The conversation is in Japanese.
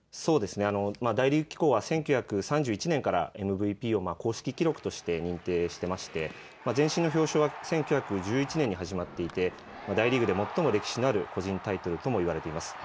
大リーグ機構は１９３１年からＭＶＰを公式記録として認定していまして１９１１年に始まっていて大リーグで最も歴史のある個人タイトルとも言われています。